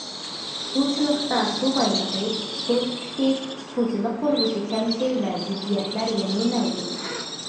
سۇچىلىقتا سۇ بايلىقى، سۇ سۈپىتى، سۇچىلىق قۇرۇلۇشى كەمچىل ۋە زىددىيەتلەر يەنىمۇ مەۋجۇت.